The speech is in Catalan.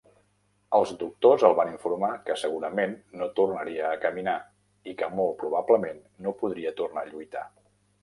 Els doctors el van informar que segurament no tornaria a caminar i que molt probablement no podria tornar a lluitar.